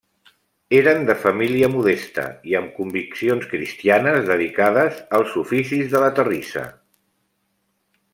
Eren de família modesta i amb conviccions cristianes, dedicada als oficis de la terrissa.